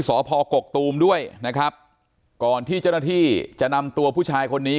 สพกกตูมด้วยนะครับก่อนที่เจ้าหน้าที่จะนำตัวผู้ชายคนนี้